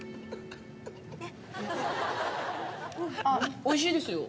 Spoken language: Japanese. おいしいですよ。